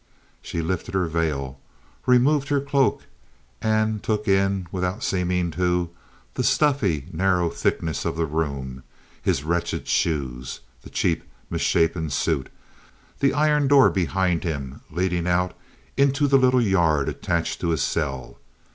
She lifted her veil, removed her cloak, and took in, without seeming to, the stuffy, narrow thickness of the room, his wretched shoes, the cheap, misshapen suit, the iron door behind him leading out into the little yard attached to his cell.